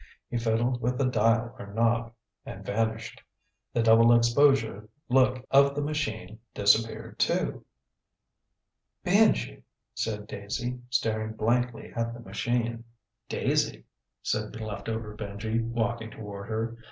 He fiddled with a dial or knob and vanished. The double exposure look of the machine disappeared too. "Benji," said Daisy, staring blankly at the machine. "Daisy," said the leftover Benji, walking toward her.